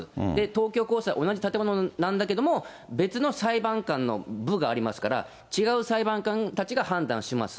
東京高裁、同じ建物なんだけども、別の裁判官の部がありますから、違う裁判官たちが判断します。